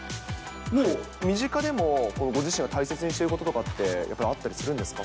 もう身近でも、ご自身が大切にしていることとかってやっぱりあったりするんですか？